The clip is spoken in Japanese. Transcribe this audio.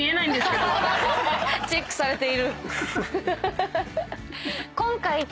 チェックされている。